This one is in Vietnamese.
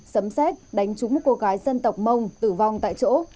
sấm xét đánh trúng một cô gái dân tộc mông tử vong tại chỗ